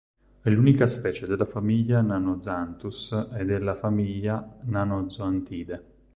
È l'unica specie del genere Nanozoanthus e della famiglia Nanozoanthidae.